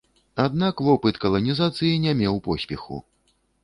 Аднак вопыт каланізацыі не меў поспеху.